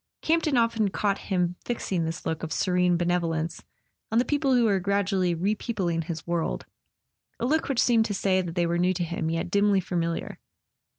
Campton often caught him fixing this look of serene benevolence on the people who were gradually repeopling his world, a look which seemed to say that they were new to him, yet dimly familiar.